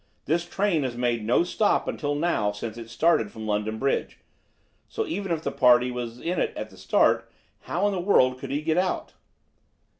This train has made no stop until now since it started from London Bridge; so, even if the party was in it at the start, how in the world could he get out?"